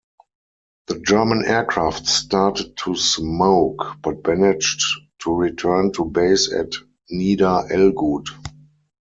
The German aircraft started to smoke, but managed to return to base at Nieder-Ellguth.